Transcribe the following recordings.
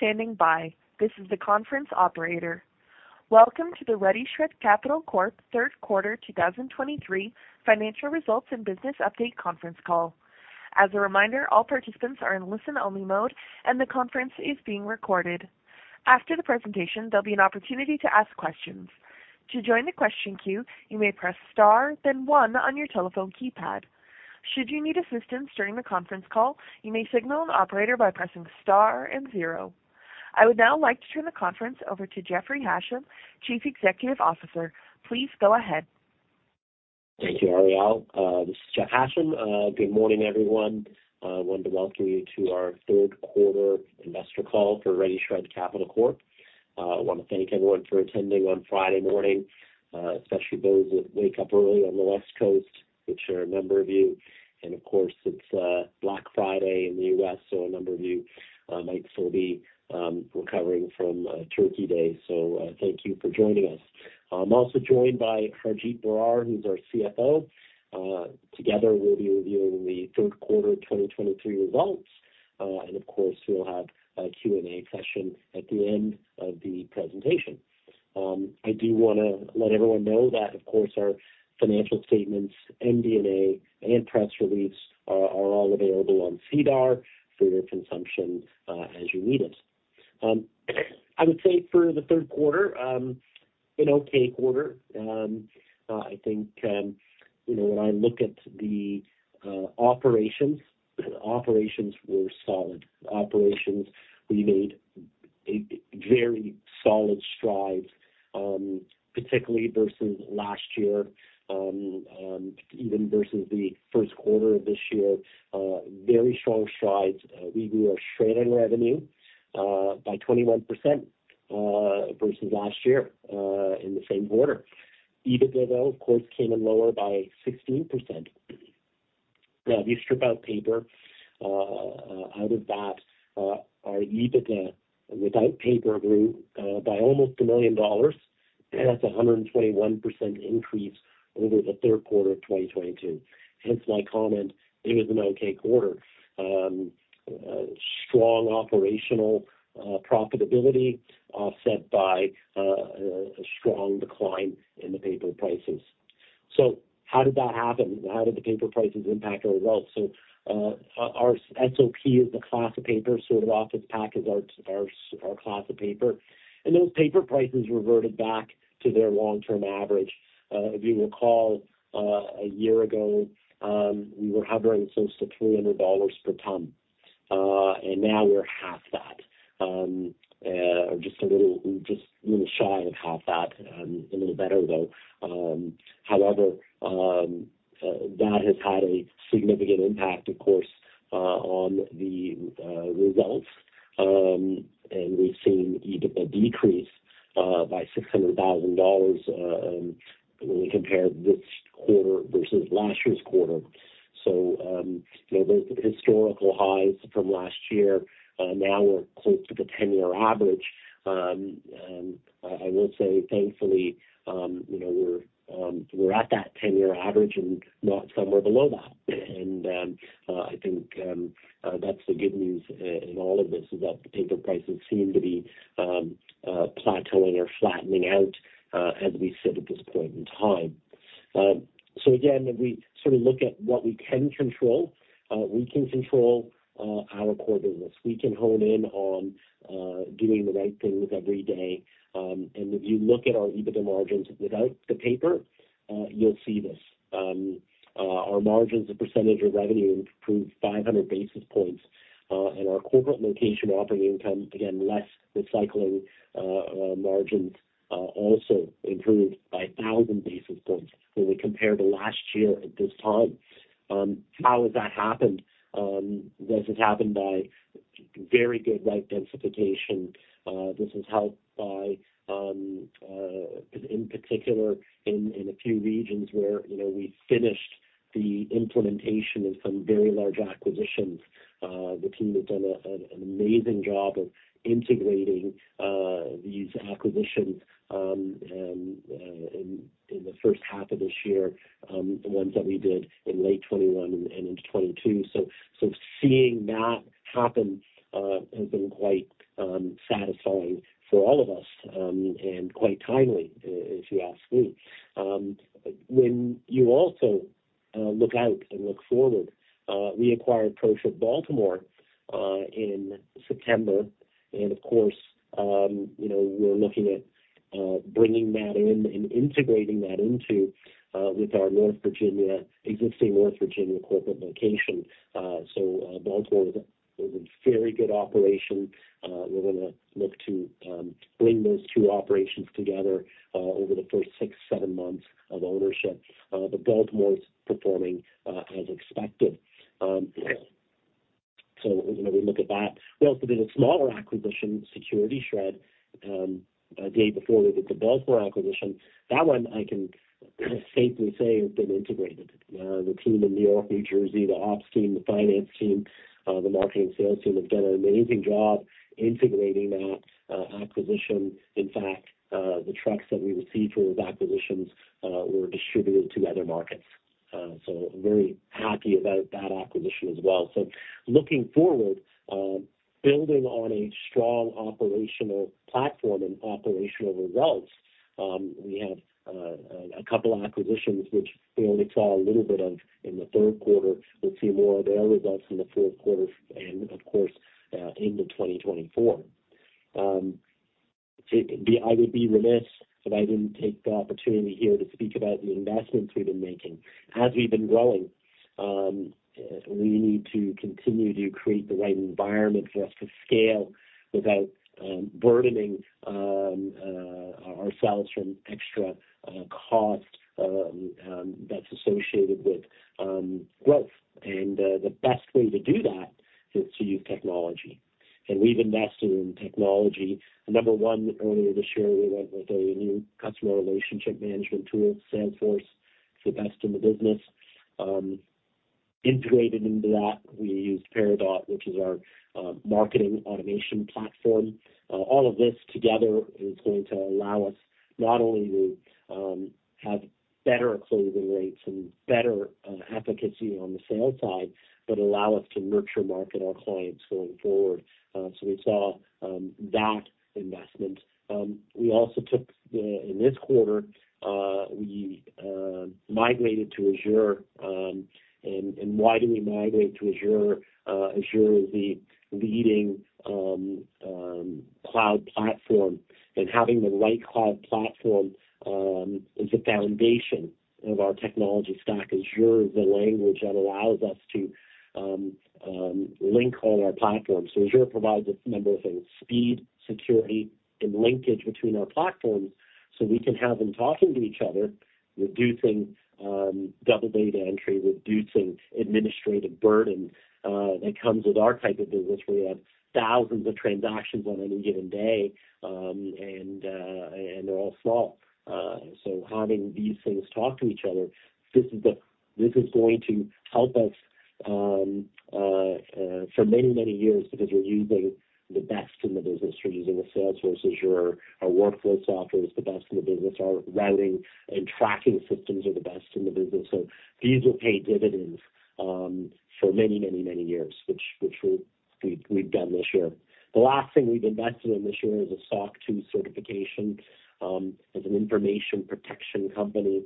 Thank you for standing by. This is the conference operator. Welcome to the RediShred Capital Corp. third quarter 2023 financial results and business update conference call. As a reminder, all participants are in listen-only mode, and the conference is being recorded. After the presentation, there'll be an opportunity to ask questions. To join the question queue, you may press star, then one on your telephone keypad. Should you need assistance during the conference call, you may signal an operator by pressing star and zero. I would now like to turn the conference over to Jeffrey Hasham, Chief Executive Officer. Please go ahead. Thank you, Ariel. This is Jeff Hasham. Good morning, everyone. I want to welcome you to our third quarter investor call for RediShred Capital Corp. I want to thank everyone for attending on Friday morning, especially those that wake up early on the West Coast, which are a number of you. Of course, it's Black Friday in the US, so a number of you might still be recovering from Turkey Day. Thank you for joining us. I'm also joined by Harjit Brar, who's our CFO. Together, we'll be reviewing the third quarter of 2023 results, and of course, we'll have a Q&A session at the end of the presentation. I do want to let everyone know that, of course, our financial statements, MD&A, and press release are all available on SEDAR for your consumption, as you need it. I would say for the third quarter, an okay quarter. I think, you know, when I look at the operations, operations were solid. Operations, we made a very solid stride, particularly versus last year, even versus the first quarter of this year, very strong strides. We grew our shredding revenue by 21%, versus last year, in the same quarter. EBITDA, though, of course, came in lower by 16%. Now, if you strip out paper out of that, our EBITDA without paper grew by almost 1 million dollars. That's a 121% increase over the third quarter of 2022. Hence my comment, it was an okay quarter. Strong operational profitability set by a strong decline in the paper prices. So how did that happen? How did the paper prices impact our results? So, our SOP is the class of paper, sort of office pack is our class of paper. Those paper prices reverted back to their long-term average. If you recall, a year ago, we were hovering close to $300 per ton, and now we're half that, just a little shy of half that, a little better, though. However, that has had a significant impact, of course, on the results. And we've seen EBITDA decrease by 600 thousand dollars when we compare this quarter versus last year's quarter. So, you know, those historical highs from last year, now we're close to the 10-year average. And I will say, thankfully, you know, we're at that 10-year average and not somewhere below that. And I think that's the good news in all of this, is that the paper prices seem to be plateauing or flattening out as we sit at this point in time. So again, if we sort of look at what we can control, we can control our core business. We can hone in on doing the right things every day. And if you look at our EBITDA margins without the paper, you'll see this. Our margins, the percentage of revenue, improved 500 basis points, and our corporate location operating income, again, less recycling, margins, also improved by 1,000 basis points when we compare to last year at this time. How has that happened? This has happened by very good route densification. This was helped by, in a few regions where, you know, we finished the implementation of some very large acquisitions. The team has done an amazing job of integrating these acquisitions, in the first half of this year, the ones that we did in late 2021 and into 2022. So seeing that happen has been quite satisfying for all of us, and quite timely, if you ask me. When you also look out and look forward, we acquired PROSHRED Baltimore in September. And of course, you know, we're looking at bringing that in and integrating that into with our Northern Virginia existing Northern Virginia corporate location. So Baltimore is a very good operation. We're gonna look to bring those two operations together over the first 6-7 months of ownership. But Baltimore is performing as expected. So, you know, we look at that. We also did a smaller acquisition, Security Shred, a day before we did the Baltimore acquisition. That one, I can safely say, has been integrated. The team in New York, New Jersey, the ops team, the finance team, the marketing sales team have done an amazing job integrating that acquisition. In fact, the trucks that we received with those acquisitions were distributed to other markets. So very happy about that acquisition as well. So looking forward, building on a strong operational platform and operational results, we have a couple of acquisitions which we only saw a little bit of in the third quarter. We'll see more of their results in the fourth quarter and, of course, into 2024. I would be remiss if I didn't take the opportunity here to speak about the investments we've been making. As we've been growing, we need to continue to create the right environment for us to scale without burdening ourselves from extra cost that's associated with growth. The best way to do that is to use technology, and we've invested in technology. Number one, earlier this year, we went with a new customer relationship management tool, Salesforce. It's the best in the business. Integrated into that, we use Pardot, which is our marketing automation platform. All of this together is going to allow us not only to have better closing rates and better advocacy on the sales side, but allow us to nurture market our clients going forward. So we saw that investment. We also took... In this quarter, we migrated to Azure. And why do we migrate to Azure? Azure is the leading cloud platform, and having the right cloud platform is the foundation of our technology stack. Azure is the language that allows us to link all our platforms. So Azure provides a number of things: speed, security, and linkage between our platforms, so we can have them talking to each other, reducing double data entry, reducing administrative burden that comes with our type of business, where we have thousands of transactions on any given day, and they're all small. So having these things talk to each other, this is going to help us for many, many years because we're using the best in the business. We're using the Salesforce, Azure. Our workflow software is the best in the business. Our routing and tracking systems are the best in the business. So these will pay dividends for many, many, many years, which we've done this year. The last thing we've invested in this year is a SOC 2 certification. As an information protection company,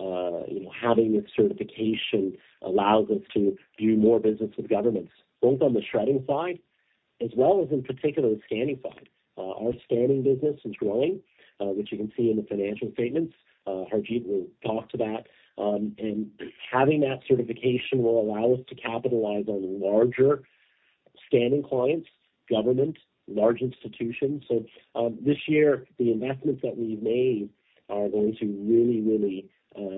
you know, having this certification allows us to do more business with governments, both on the shredding side as well as in particular, the scanning side. Our scanning business is growing, which you can see in the financial statements. Harjit will talk to that. And having that certification will allow us to capitalize on larger scanning clients, government, large institutions. So this year, the investments that we've made are going to really, really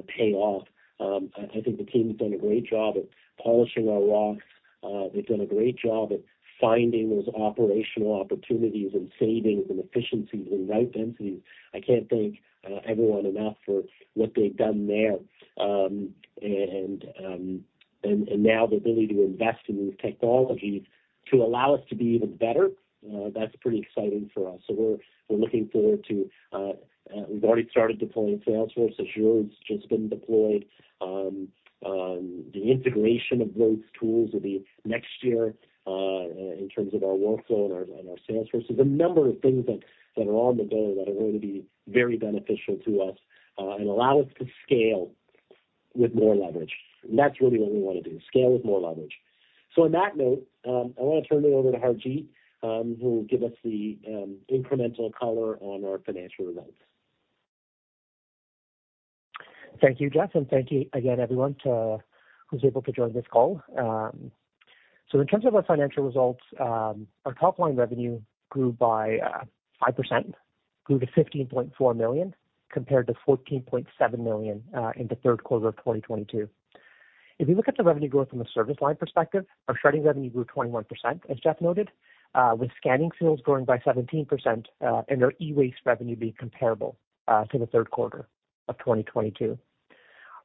pay off. I think the team has done a great job at polishing our rocks. They've done a great job at finding those operational opportunities and savings and efficiencies and the right densities. I can't thank everyone enough for what they've done there. And now the ability to invest in new technologies to allow us to be even better, that's pretty exciting for us. So we're looking forward to... We've already started deploying Salesforce. Azure has just been deployed. The integration of those tools will be next year, in terms of our workflow and our Salesforce. So the number of things that are on the go, that are going to be very beneficial to us, and allow us to scale with more leverage. That's really what we wanna do, scale with more leverage. So on that note, I wanna turn it over to Harjit, who will give us the incremental color on our financial results. Thank you, Jeff, and thank you again, everyone, to those who are able to join this call. In terms of our financial results, our top line revenue grew by 5%, grew to 15.4 million, compared to 14.7 million in the third quarter of 2022. If you look at the revenue growth from a service line perspective, our shredding revenue grew 21%, as Jeff noted, with scanning sales growing by 17%, and our e-waste revenue being comparable to the third quarter of 2022.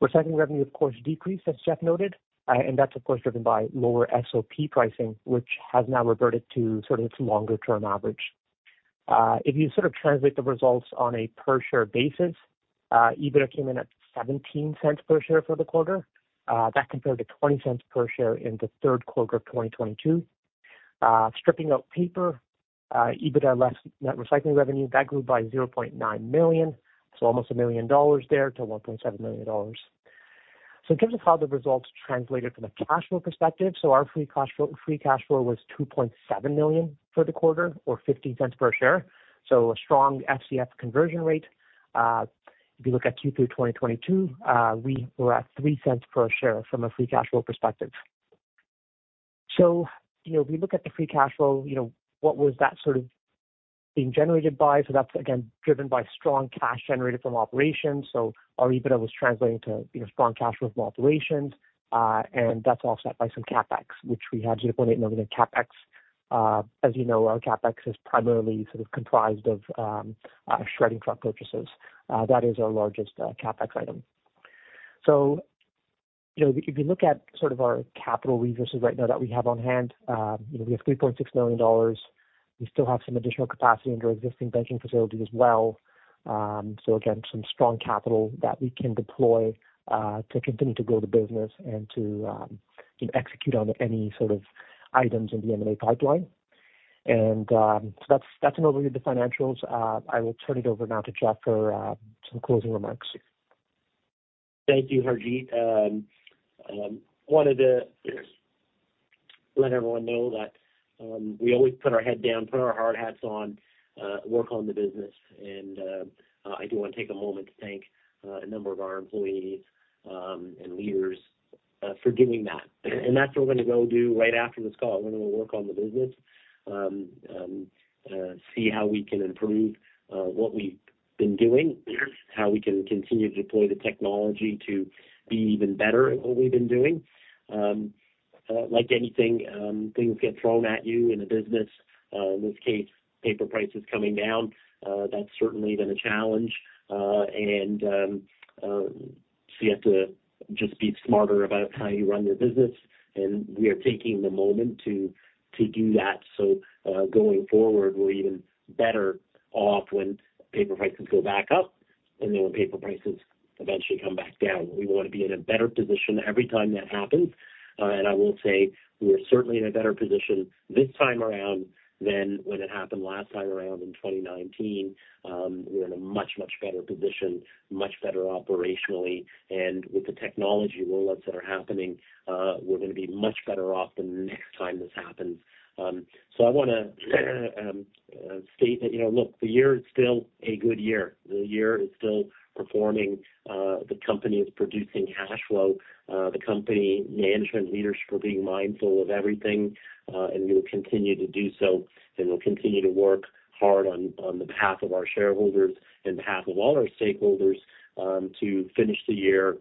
Recycling revenue, of course, decreased, as Jeff noted, and that's of course, driven by lower SOP pricing, which has now reverted to sort of its longer-term average. If you sort of translate the results on a per-share basis, EBITDA came in at 0.17 per share for the quarter. That compared to 0.20 per share in the third quarter of 2022. Stripping out paper, EBITDA less net recycling revenue, that grew by 0.9 million, so almost 1 million dollars there to 1.7 million dollars. So in terms of how the results translated from a cash flow perspective, so our free cash flow, free cash flow was 2.7 million for the quarter or 0.15 per share, so a strong FCF conversion rate. If you look at Q3 2022, we were at 0.03 per share from a free cash flow perspective. So, you know, if you look at the free cash flow, you know, what was that sort of being generated by? So that's again, driven by strong cash generated from operations. Our EBITDA was translating to, you know, strong cash flows from operations, and that's offset by some CapEx, which we had $0.8 million in CapEx. As you know, our CapEx is primarily sort of comprised of shredding truck purchases. That is our largest CapEx item. You know, if you look at sort of our capital resources right now that we have on hand, you know, we have $3.6 million. We still have some additional capacity under our existing banking facility as well. So again, some strong capital that we can deploy to continue to grow the business and to execute on any sort of items in the M&A pipeline. And so that's an overview of the financials. I will turn it over now to Jeff for some closing remarks. Thank you, Harjit. Wanted to let everyone know that, we always put our head down, put our hard hats on, work on the business, and, I do want to take a moment to thank, a number of our employees, and leaders, for doing that. And that's what we're gonna go do right after this call. We're gonna work on the business, see how we can improve, what we've been doing, how we can continue to deploy the technology to be even better at what we've been doing. Like anything, things get thrown at you in a business, in this case, paper prices coming down, that's certainly been a challenge. So you have to just be smarter about how you run your business, and we are taking the moment to do that. Going forward, we're even better off when paper prices go back up and then when paper prices eventually come back down. We want to be in a better position every time that happens. I will say we are certainly in a better position this time around than when it happened last time around in 2019. We're in a much, much better position, much better operationally, and with the technology rollouts that are happening, we're gonna be much better off the next time this happens. I want to state that, you know, look, the year is still a good year. The year is still performing. The company is producing cash flow. The company management leaders are being mindful of everything, and we will continue to do so, and we'll continue to work hard on behalf of our shareholders and on behalf of all our stakeholders, to finish the year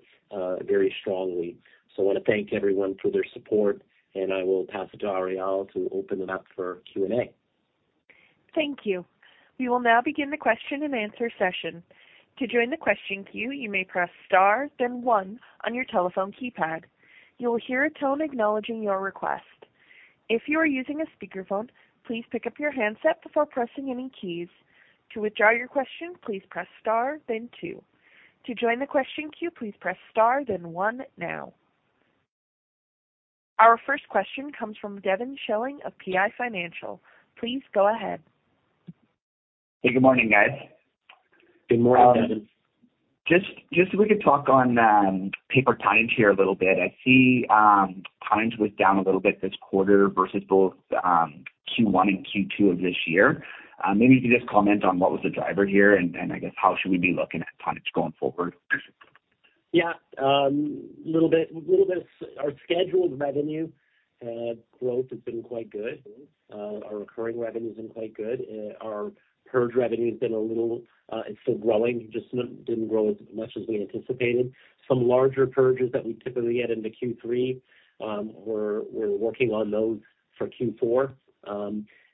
very strongly. So I want to thank everyone for their support, and I will pass it to Arielle to open it up for Q&A. Thank you. We will now begin the question-and-answer session. To join the question queue, you may press Star, then One on your telephone keypad. You will hear a tone acknowledging your request. If you are using a speakerphone, please pick up your handset before pressing any keys. To withdraw your question, please press Star then Two. To join the question queue, please press Star then One now. Our first question comes from Devin Schilling of PI Financial. Please go ahead. Hey, good morning, guys. Good morning, Devin. Just if we could talk on paper tonnage here a little bit. I see, tonnage was down a little bit this quarter versus both Q1 and Q2 of this year. Maybe if you just comment on what was the driver here, and I guess how should we be looking at tonnage going forward? Yeah, a little bit, a little bit. Our scheduled revenue growth has been quite good. Our recurring revenue has been quite good. Our purge revenue has been a little, it's still growing, just didn't grow as much as we anticipated. Some larger purges that we typically get into Q3, we're working on those for Q4.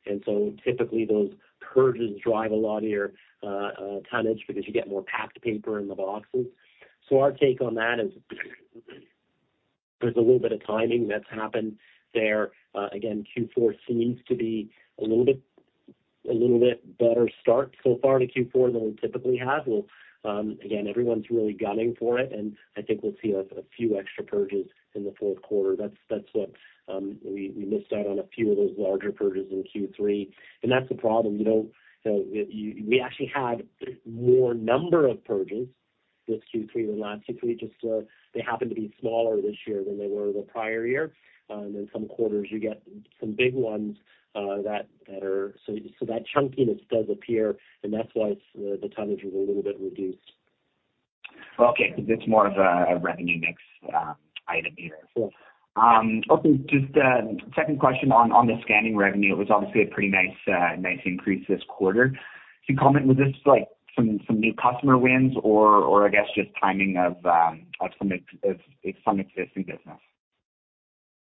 And so typically, those purges drive a lot of your tonnage because you get more packed paper in the boxes. So our take on that is there's a little bit of timing that's happened there. Again, Q4 seems to be a little bit, a little bit better start so far to Q4 than we typically have. We'll, again, everyone's really gunning for it, and I think we'll see a few extra purges in the fourth quarter. That's what we missed out on a few of those larger purges in Q3, and that's the problem. We don't, we actually had more number of purges this Q3 than last Q3. Just, they happen to be smaller this year than they were the prior year. And in some quarters, you get some big ones that are... So that chunkiness does appear, and that's why the tonnage was a little bit reduced. Okay, because it's more of a revenue mix item here. Sure. Okay, just a second question on the scanning revenue. It was obviously a pretty nice increase this quarter. To comment, was this like some new customer wins or I guess just timing of some existing business?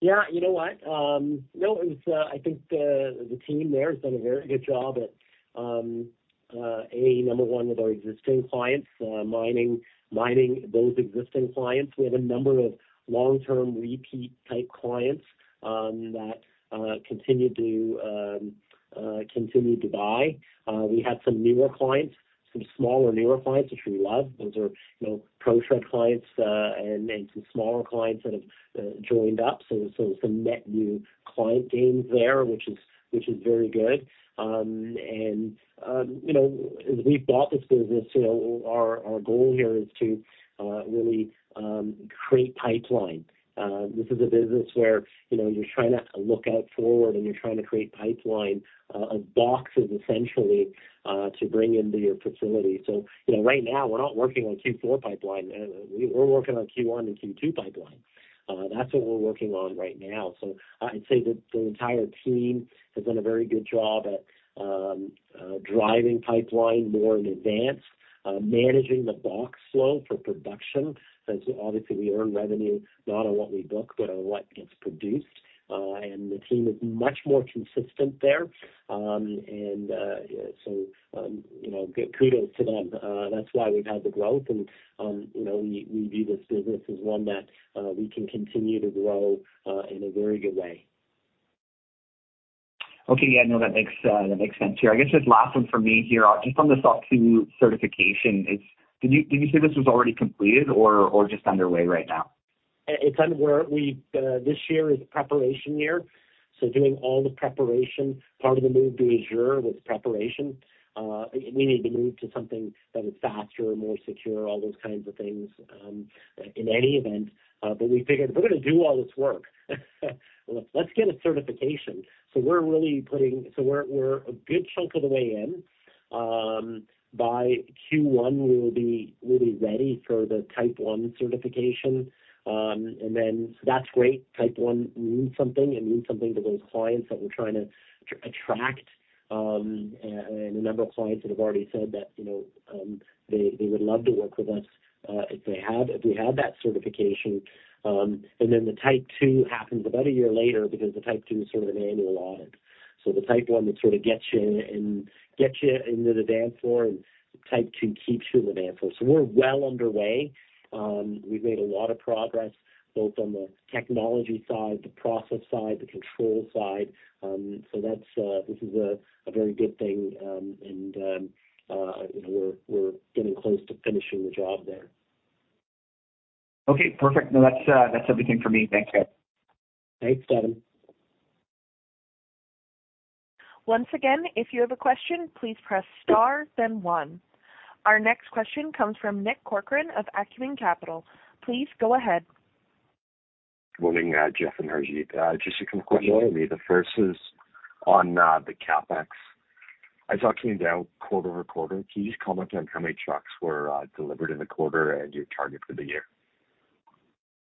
Yeah, you know what? No, it's, I think, the team there has done a very good job at, A, number one, with our existing clients, mining those existing clients. We have a number of long-term repeat type clients, that continue to buy. We had some newer clients, some smaller, newer clients, which we love. Those are, you know, PROSHRED clients, and some smaller clients that have joined up. So some net new client gains there, which is very good. And, you know, as we've built this business, you know, our goal here is to really create pipeline. This is a business where, you know, you're trying to look out forward and you're trying to create pipeline of boxes essentially to bring into your facility. So, you know, right now, we're not working on Q4 pipeline. We're working on Q1 and Q2 pipeline. That's what we're working on right now. So I'd say that the entire team has done a very good job at driving pipeline more in advance, managing the box flow for production. So obviously, we earn revenue not on what we book, but on what gets produced. And the team is much more consistent there. So, you know, kudos to them. That's why we've had the growth and, you know, we view this business as one that we can continue to grow in a very good way.... Okay. Yeah, no, that makes, that makes sense here. I guess just last one for me here. Just on the SOC 2 certification, it's, did you say this was already completed or just underway right now? It's under where we, this year is preparation year, so doing all the preparation. Part of the move to Azure was preparation. We need to move to something that is faster and more secure, all those kinds of things, in any event. But we figured if we're gonna do all this work, let's get a certification. So we're really a good chunk of the way in. By Q1, we will be, we'll be ready for the Type 1 certification. And then that's great. Type 1 means something. It means something to those clients that we're trying to attract, and a number of clients that have already said that, you know, they would love to work with us, if we had that certification. And then the Type 2 happens about a year later because the Type 2 is sort of an annual audit. So the Type 1 that sort of gets you in, gets you into the dance floor, and Type 2 keeps you in the dance floor. So we're well underway. We've made a lot of progress, both on the technology side, the process side, the control side. So that's... This is a very good thing. And, you know, we're getting close to finishing the job there. Okay, perfect. No, that's, that's everything for me. Thanks, guys. Thanks, Devin. Once again, if you have a question, please press star, then one. Our next question comes from Nick Corcoran of Acumen Capital. Please go ahead. Morning, Jeff and Harjit. Just a quick question. The first is on the CapEx. I saw it came down quarter-over-quarter. Can you just comment on how many trucks were delivered in the quarter and your target for the year?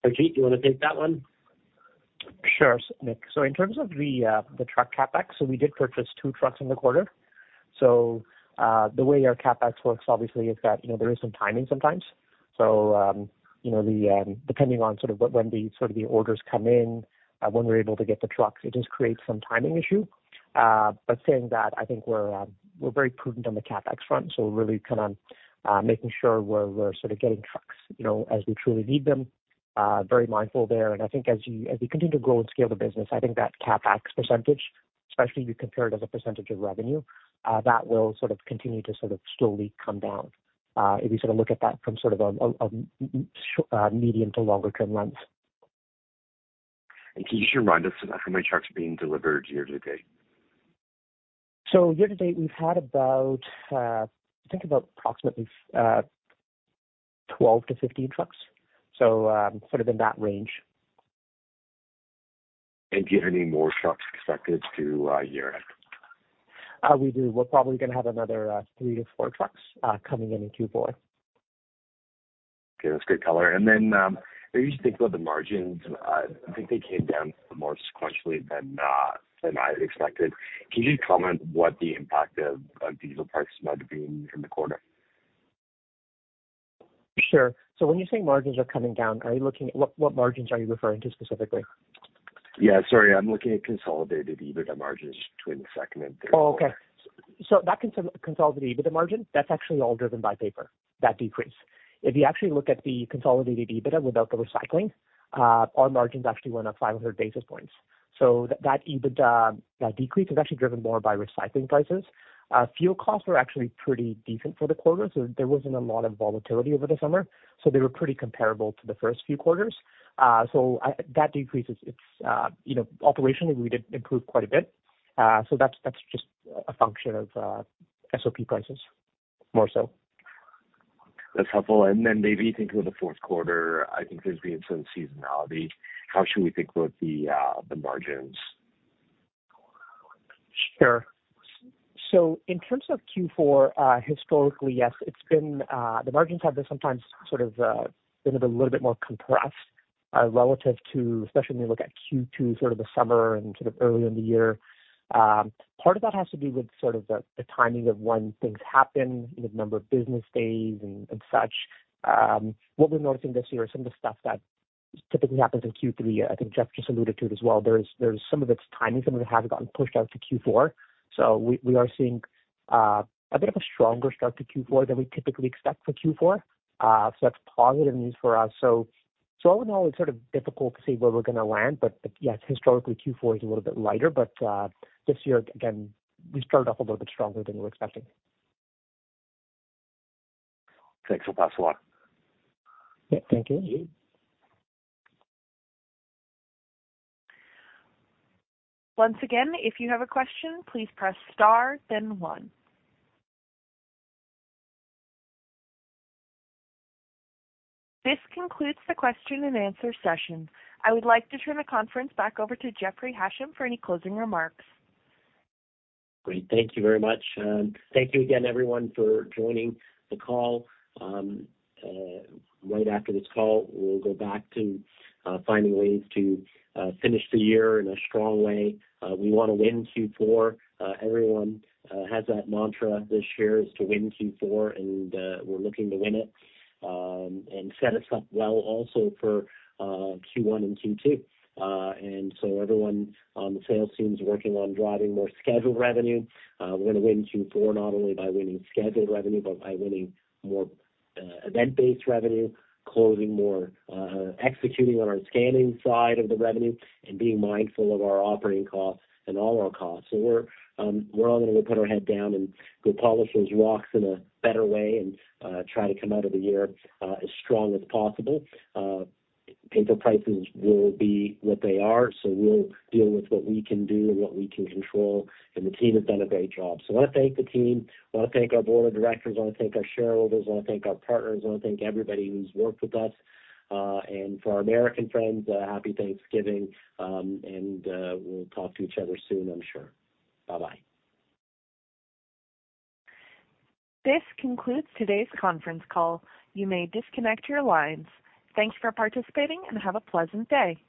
Harjit, do you want to take that one? Sure, Nick. So in terms of the truck CapEx, so we did purchase two trucks in the quarter. So, the way our CapEx works obviously is that, you know, there is some timing sometimes. So, you know, depending on sort of what, when sort of the orders come in, when we're able to get the trucks, it does create some timing issue. But saying that, I think we're very prudent on the CapEx front, so we're really keen on making sure we're sort of getting trucks, you know, as we truly need them. Very mindful there. I think as you, as we continue to grow and scale the business, I think that CapEx percentage, especially if you compare it as a percentage of revenue, that will sort of continue to sort of slowly come down, if you sort of look at that from sort of a medium to longer term lens. Can you just remind us how many trucks are being delivered year to date? So year to date, we've had about, I think about approximately, 12 trucks-15 trucks. So, sort of in that range. Do you have any more trucks expected to year-end? We do. We're probably gonna have another three to four trucks coming in in Q4. Okay, that's great color. Then, I used to think about the margins. I think they came down more sequentially than I expected. Can you comment what the impact of diesel prices might have been in the quarter? Sure. So when you say margins are coming down, are you looking... What, what margins are you referring to specifically? Yeah, sorry. I'm looking at consolidated EBITDA margins between second and third quarter. Oh, okay. So that consolidated EBITDA margin, that's actually all driven by paper, that decrease. If you actually look at the consolidated EBITDA without the recycling, our margins actually went up 500 basis points. So that EBITDA, that decrease is actually driven more by recycling prices. Fuel costs were actually pretty decent for the quarter, so there wasn't a lot of volatility over the summer, so they were pretty comparable to the first few quarters. That decrease is, it's, you know, operationally, we did improve quite a bit. So that's, that's just a function of, SOP prices, more so. That's helpful. And then maybe thinking of the fourth quarter, I think there's been some seasonality. How should we think about the, the margins? Sure. So in terms of Q4, historically, yes, it's been, the margins have been sometimes sort of, been a little bit more compressed, relative to... Especially when you look at Q2, sort of the summer and sort of earlier in the year. Part of that has to do with sort of the timing of when things happen, the number of business days and such. What we're noticing this year is some of the stuff that typically happens in Q3. I think Jeff just alluded to it as well. There's some of it's timing, some of it has gotten pushed out to Q4. So we are seeing a bit of a stronger start to Q4 than we typically expect for Q4. So that's positive news for us. So, all in all, it's sort of difficult to say where we're gonna land. But yes, historically, Q4 is a little bit lighter, but this year, again, we started off a little bit stronger than we were expecting. Thanks. Well, that's a lot. Yeah, thank you. Once again, if you have a question, please press star, then one. This concludes the question and answer session. I would like to turn the conference back over to Jeffrey Hasham for any closing remarks. Great. Thank you very much. Thank you again, everyone, for joining the call. Right after this call, we'll go back to finding ways to finish the year in a strong way. We want to win Q4. Everyone has that mantra this year, is to win Q4, and we're looking to win it, and set us up well also for Q1 and Q2. And so everyone on the sales team is working on driving more scheduled revenue. We're going to win Q4 not only by winning scheduled revenue, but by winning more event-based revenue, closing more executing on our scanning side of the revenue, and being mindful of our operating costs and all our costs. So we're all going to put our head down and go polish those rocks in a better way and try to come out of the year as strong as possible. Paper prices will be what they are, so we'll deal with what we can do and what we can control, and the team has done a great job. So I want to thank the team. I want to thank our board of directors. I want to thank our shareholders. I want to thank our partners. I want to thank everybody who's worked with us. And for our American friends, Happy Thanksgiving, and we'll talk to each other soon, I'm sure. Bye-bye. This concludes today's conference call. You may disconnect your lines. Thanks for participating and have a pleasant day.